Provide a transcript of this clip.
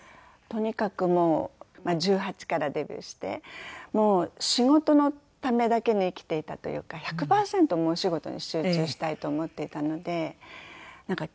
とにかくもう１８からデビューしてもう仕事のためだけに生きていたというか１００パーセントお仕事に集中したいと思っていたのでなんか